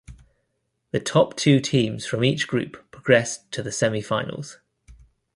The top two teams from each group progressed to the semi finals.